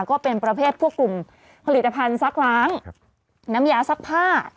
ก็เป็นประเภทพวกกลุ่มผลิตภัณฑ์ซักล้างน้ำยาซักผ้า